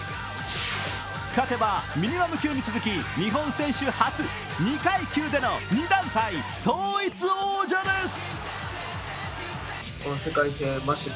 勝てばミディアム級に続き、日本初、２階級での２団体統一王者です。